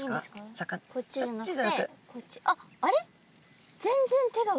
あっあれ？